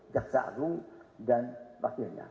jaksa agung dan pak gita